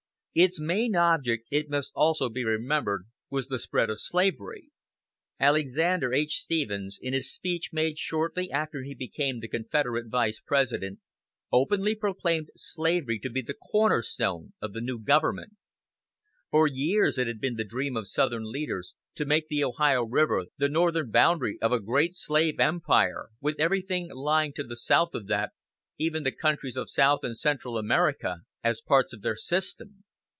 Its main object, it must also be remembered, was the spread of slavery. Alexander H. Stephens, in a speech made shortly after he became the Confederate Vice President, openly proclaimed slavery to be the "corner stone" of the new government. For years it had been the dream of southern leaders to make the Ohio River the northern boundary of a great slave empire, with everything lying to the south of that, even the countries of South and Central America, as parts of their system.